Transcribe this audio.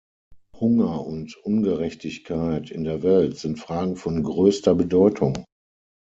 Hunger und Ungerechtigkeit in der Welt sind Fragen von größter Bedeutung.